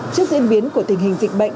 trước diễn biến của tình hình dịch bệnh